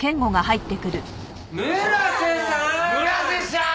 村瀬さーん！